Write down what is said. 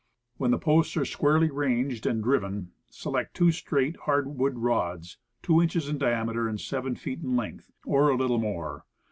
When the posts are squarely ranged and driven, select two straight, hard wood rods, 2 inches in diameter, and 7 feet in length or a little more.